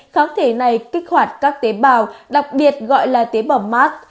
kháng thể này kích hoạt các tế bào đặc biệt gọi là tế bào mark